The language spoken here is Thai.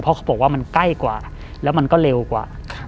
เพราะเขาบอกว่ามันใกล้กว่าแล้วมันก็เร็วกว่า